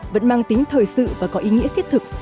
vẫn mang tính thời sự và có ý nghĩa thiết thực